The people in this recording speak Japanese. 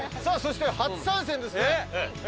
さあそして初参戦ですね